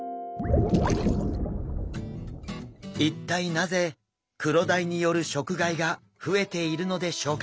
一体なぜクロダイによる食害が増えているのでしょうか？